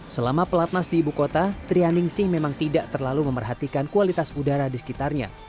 selama pelatnas di ibu kota trianingsih memang tidak terlalu memerhatikan kualitas udara di sekitarnya